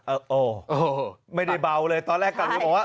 เออไม่ได้เบาเลยตอนแรกกลับยังบอกว่า